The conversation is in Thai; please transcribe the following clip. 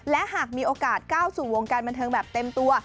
และหากมีโอกาสก้าวสู่วงการบันเทิงแบบเต็มตัว